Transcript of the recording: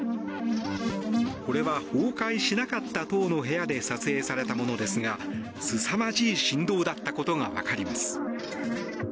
これは崩壊しなかった棟の部屋で撮影されたものですがすさまじい振動だったことがわかります。